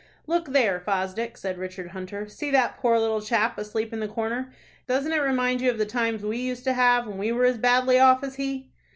"Look there, Fosdick," said Richard Hunter. "See that poor little chap asleep in the corner. Doesn't it remind you of the times we used to have, when we were as badly off as he?"